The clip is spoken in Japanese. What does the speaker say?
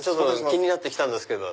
気になって来たんですけど。